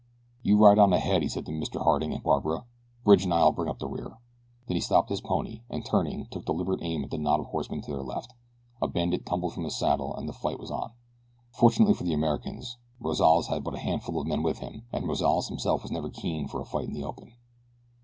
"You ride on ahead," he said to Mr. Harding and Barbara. "Bridge and I'll bring up the rear." Then he stopped his pony and turning took deliberate aim at the knot of horsemen to their left. A bandit tumbled from his saddle and the fight was on. Fortunately for the Americans Rozales had but a handful of men with him and Rozales himself was never keen for a fight in the open.